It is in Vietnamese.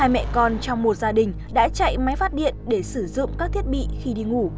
hai mẹ con trong một gia đình đã chạy máy phát điện để sử dụng các thiết bị khi đi ngủ